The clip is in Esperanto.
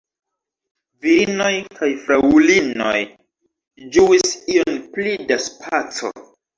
Virinoj kaj fraŭlinoj ĝuis ion pli da spaco.